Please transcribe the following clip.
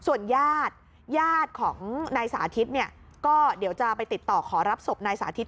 ส่วนญาติญาติของนายสาธิตเนี่ยก็เดี๋ยวจะไปติดต่อขอรับศพนายสาธิต